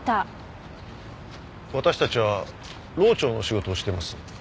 私たちは漏調の仕事をしています。